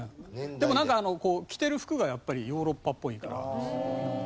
でも着てる服がやっぱりヨーロッパっぽいから。